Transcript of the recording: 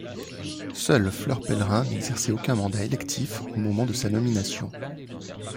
Seule Fleur Pellerin n'exerçait aucun mandat électif au moment de sa nomination.